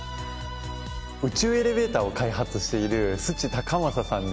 宇宙エレベーターを開発している須知高匡さんです。